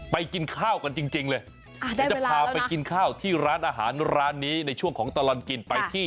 ไปกินข้าวกันจริงเลย